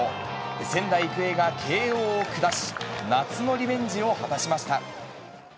仙台育英が慶応を下し、夏のリベンジを果たしました。